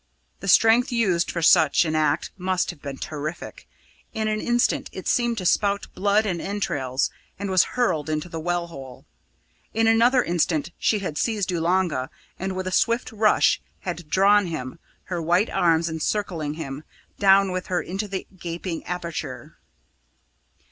The strength used for such an act must have been terrific. In an instant, it seemed to spout blood and entrails, and was hurled into the well hole. In another instant she had seized Oolanga, and with a swift rush had drawn him, her white arms encircling him, down with her into the gaping aperture.